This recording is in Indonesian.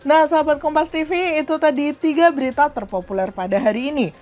nah sahabat kompas tv itu tadi tiga berita terpopuler pada hari ini